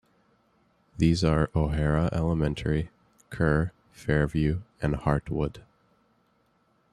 These are O'Hara Elementary, Kerr, Fairview, and Hartwood.